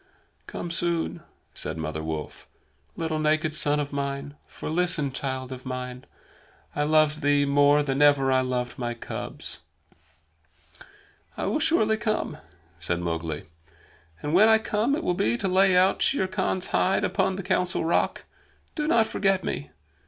"Come soon," said Mother Wolf, "little naked son of mine. For, listen, child of man, I loved thee more than ever I loved my cubs." "I will surely come," said Mowgli. "And when I come it will be to lay out Shere Khan's hide upon the Council Rock. Do not forget me!